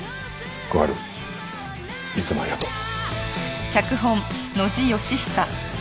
小春いつもありがとう。